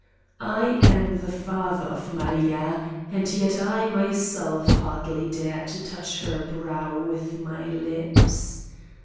I am the father of Maria, and yet I myself hardly dare to touch her brow with my lips.